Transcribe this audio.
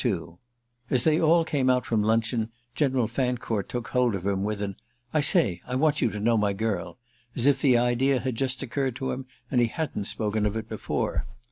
21II As they all came out from luncheon General Fancourt took hold of him with an "I say, I want you to know my girl!" as if the idea had just occurred to him and he hadn't spoken of it before.